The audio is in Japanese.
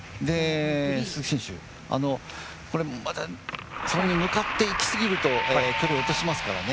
鈴木選手、またそれに向かっていきすぎると距離を落としますからね。